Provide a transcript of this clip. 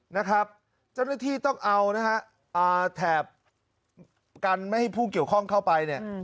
นะครับเจ้าหน้าที่ต้องเอานะฮะแถบกันไม่ให้ผู้เกี่ยวข้องเข้าไปเนี่ย